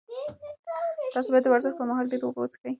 تاسي باید د ورزش پر مهال ډېرې اوبه وڅښئ.